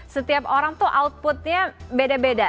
setiap orang tuh outputnya beda beda